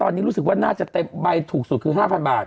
ตอนนี้รู้สึกว่าน่าจะเต็มใบถูกสุดคือ๕๐๐บาท